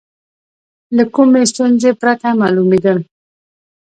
له کومې ستونزې پرته معلومېدل.